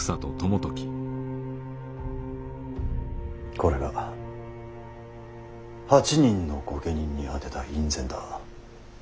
これが８人の御家人に宛てた院宣だ。